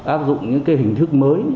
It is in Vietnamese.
áp dụng những cái hình thức mới